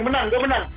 menang gue menang